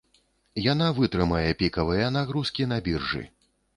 Яна вытрымае пікавыя нагрузкі на біржы.